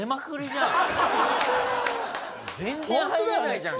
全然入れないじゃん